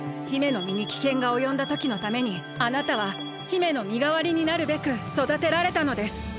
姫のみにきけんがおよんだときのためにあなたは姫のみがわりになるべくそだてられたのです。